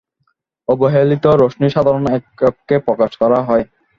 অবলোহিত রশ্মি সাধারণ এককে প্রকাশ করা হয়।